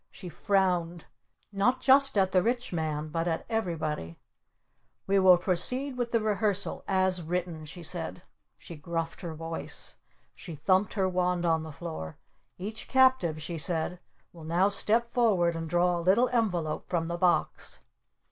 She frowned. Not just at the Rich Man. But at everybody. "We will proceed with the Rehearsal as written!" she said. She gruffed her voice. She thumped her wand on the floor. "Each captive," she said, "will now step forward and draw a little envelope from the box."